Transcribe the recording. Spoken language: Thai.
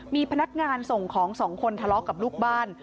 มีพนักงานส่งของสองคนทะเลาะกับลูกบ้าน